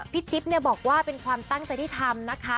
พี่จิ๊บบอกว่าเป็นความตั้งใจที่ทำนะคะ